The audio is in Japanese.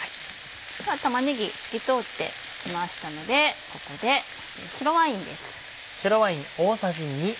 では玉ねぎ透き通ってきましたのでここで白ワインです。